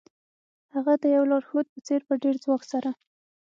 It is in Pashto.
هغه د یو لارښود په څیر په ډیر ځواک سره